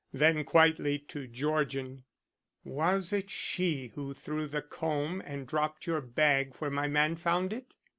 Then quietly to Georgian: "Was it she who threw the comb and dropped your bag where my man found it?"